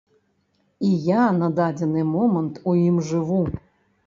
І я на дадзены момант у ім жыву.